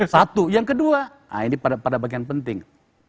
satu yang kedua ini pada bagian penting